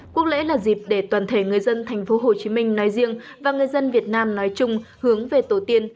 quốc lễ là dịp để toàn thể người dân tp hcm nói riêng và người dân việt nam nói chung hướng về tổ tiên